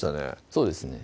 そうですね